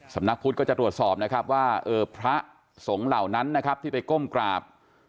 สำนักพุทธก็จะตรวจสอบนะครับว่าพระสงฆ์เหล่านั้นนะครับ